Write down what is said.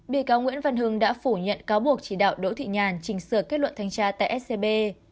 bị cáo nguyễn văn hưng đã phủ nhận cáo buộc chỉ đạo đỗ thị nhàn chỉnh sửa kết luận thanh tra tại scb